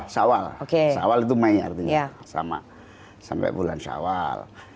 sawal sawal itu mei artinya sampai bulan sawal